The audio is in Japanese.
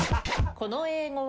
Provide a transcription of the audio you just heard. この英語は？